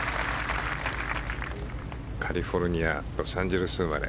カリフォルニアロサンゼルス生まれ。